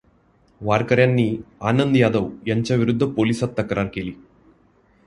वारकऱ्यांनी आनंद यादव यांच्याविरुद्ध पोलिसात तक्रार केली.